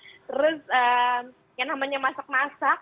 terus yang namanya masak masak